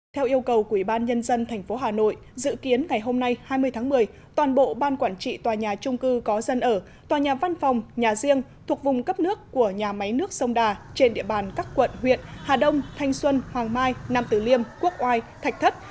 theo yêu cầu quỹ ban nhân dân tp hà nội dự kiến ngày hôm nay hai mươi tháng một mươi toàn bộ ban quản trị tòa nhà trung cư có dân ở tòa nhà văn phòng nhà riêng thuộc vùng cấp nước của nhà máy nước sông đà trên địa bàn các quận huyện hà đông thanh xuân hoàng mai nam tử liêm quốc oai thạch thất